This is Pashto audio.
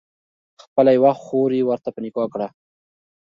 خپله یوه خور یې ورته په نکاح کړه.